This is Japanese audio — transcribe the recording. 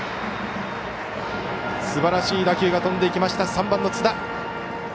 すばらしい打球が飛んでいった３番、津田。